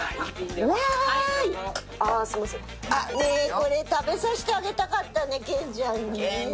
これ食べさせてあげたかったね健ちゃんに。